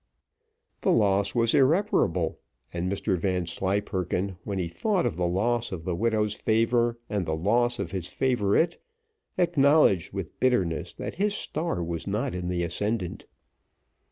The loss was irreparable, and Mr Vanslyperken, when he thought of the loss of the widow's favour and the loss of his favourite, acknowledged with bitterness that his star was not in the ascendant.